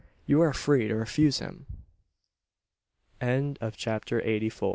You are free to refuse him!" CHAPTER EIGHTY F